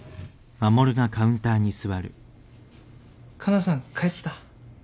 かなさん帰った。